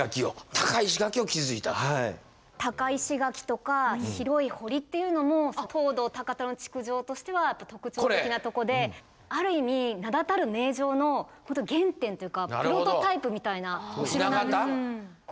高石垣とか広い堀っていうのも藤堂高虎の築城としては特徴的なとこである意味名だたる名城のほんと原点っていうかプロトタイプみたいなお城なんです。